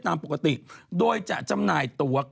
ตามปกติโดยจะจำหน่ายตัว